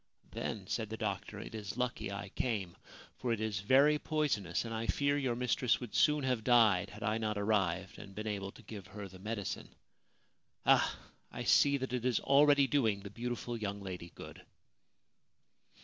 ' Then/ said the doctor, ' it is lucky I came, for it is very poisonous, and I fear your mistress would soon have died had I not arrived and been able to give her the medicine. Ah ! I see that it is already doing the beautiful young lady good.'